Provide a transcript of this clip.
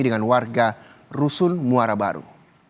dengan warga rusun muara baru